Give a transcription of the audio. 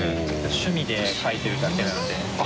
・趣味で描いてるだけなので。